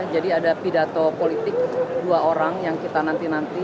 jadi ada pidato politik dua orang yang kita nanti nanti